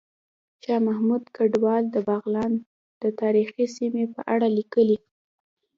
شاه محمود کډوال د بغلان د تاریخي سیمې په اړه ليکلي